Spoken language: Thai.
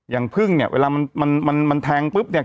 อย่างพึ่งเนี่ยเวลามันมันแทงปุ๊บเนี่ย